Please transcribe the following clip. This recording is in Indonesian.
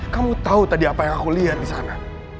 kamu tahu tadi apa yang aku lihat disana